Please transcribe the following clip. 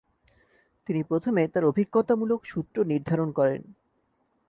তিনি প্রথমে তার অভিজ্ঞতামূলক সূত্র নির্ধারণ করেন।